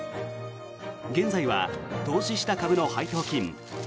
現在は投資した株の配当金月